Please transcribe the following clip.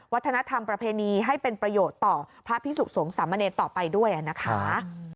วัฒนธรรมประเพณีให้เป็นประโยชน์ต่อพระพิสุสงฆ์สามเณรต่อไปด้วยนะคะ